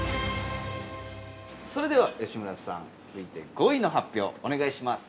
◆それでは、吉村さん続いて、５位の発表お願いします。